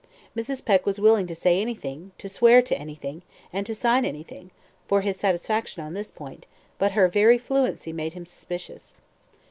Mrs. Peck was willing to say anything, to swear anything, and to sign anything, for his satisfaction on this point, but her very fluency made him suspicious.